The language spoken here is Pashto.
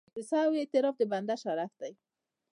د سهوې اعتراف د بنده شرف دی.